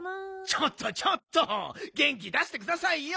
ちょっとちょっと！げん気出してくださいよ。